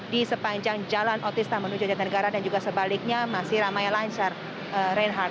di sepanjang jalan otista menuju jatinegara dan juga sebaliknya masih ramai lancar reinhardt